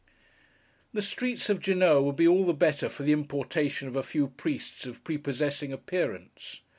The streets of Genoa would be all the better for the importation of a few Priests of prepossessing appearance.